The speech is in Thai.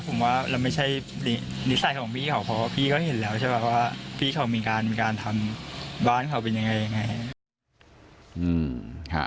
ผมว่าไม่ใช่นิสัยของพี่เขา